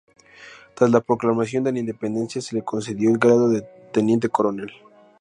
Tras la proclamación de la independencia se le concedió el grado de teniente coronel.